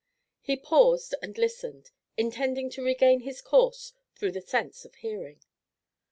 He paused and listened, intending to regain his course through the sense of hearing.